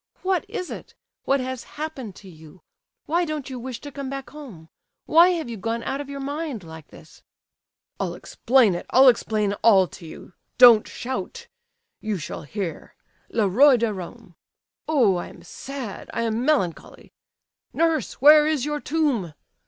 "What is it? What has happened to you? Why don't you wish to come back home? Why have you gone out of your mind, like this?" "I'll explain it, I'll explain all to you. Don't shout! You shall hear. Le roi de Rome. Oh, I am sad, I am melancholy! "'Nurse, where is your tomb?